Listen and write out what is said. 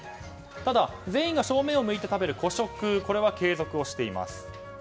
ただ全員が正面を向いて食べる個食は継続しています。